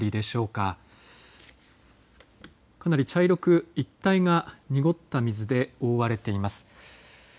かなり茶色く、一帯が濁った水で覆われています。